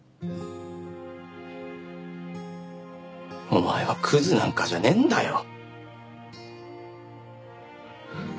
お前はクズなんかじゃねえんだよ！